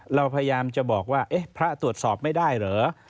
เราพยายามจะบอกว่าพระตรวจสอบไม่ได้เหรอ